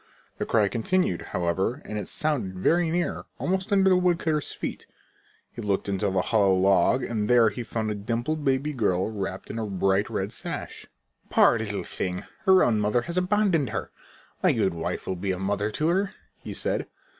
The cry continued, however, and it sounded very near, almost under the woodcutter's feet. He looked into the hollow log and there he found a dimpled baby girl wrapped in a bright red sash. "Poor little thing! Her own mother has abandoned her. My good wife will be a mother to her," he said.